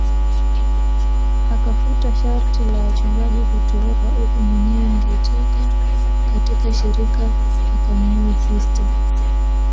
Akafuta sharti la wachungaji kutooa uku Mwenyewe alitoka katika shirika akamuoa sista